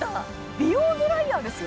・美容ドライヤーですよ？